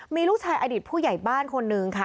มีลูกชายอดีตผู้ใหญ่บ้านคนนึงค่ะ